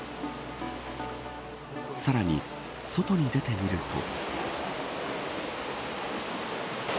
さらに、外に出てみると。